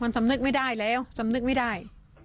มันสำนึกไม่ได้แล้วสำนึกไม่ได้